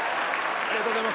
ありがとうございます」